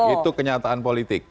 itu kenyataan politik